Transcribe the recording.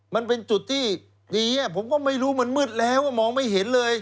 มันเป็นจุดที่ดีผมก็ไม่รู้มันมืดแล้วมองไม่เห็นเลย